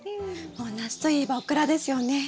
もう夏といえばオクラですよね。